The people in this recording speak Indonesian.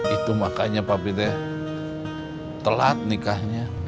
itu makanya papi itu telat nikahnya